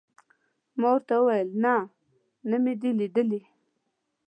ما ورته وویل: نه، نه مې دي لیدلي.